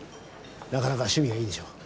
なかなか趣味がいいでしょう？